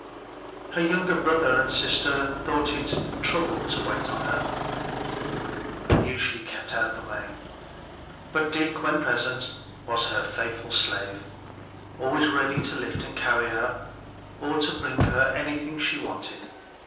Her younger brother and sister thought it a trouble to wait on her and usually kept out of her way, but Dick, when present, was her faithful slave; always ready to lift and carry her, or to bring her anything she wanted.